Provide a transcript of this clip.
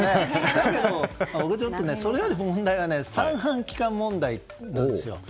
だけど、それよりの問題は三半規管問題なんですよ。